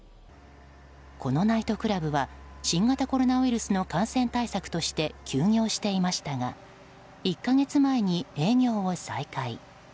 このナイトクラブは新型コロナウイルスの感染対策として休業していましたが１か月前に営業を再開。